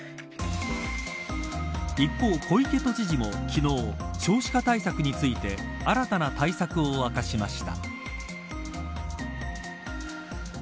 一方、小池都知事も昨日少子化対策について新たな対策を明かしました。